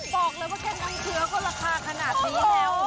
บอกเลยว่าแค่น้ำเชื้อก็ราคาขนาดนี้แล้ว